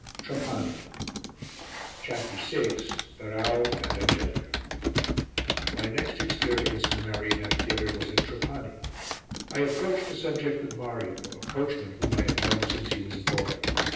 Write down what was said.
TRAPANI CHAPTER VI FERRAU AND ANGELICA My next experience in a marionette theatre was at Trapani. I approached the subject with Mario, a coachman whom I have known since he was a boy.